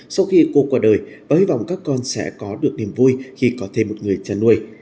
sau khi cô qua đời và hy vọng các con sẽ có được niềm vui khi có thêm một người chăn nuôi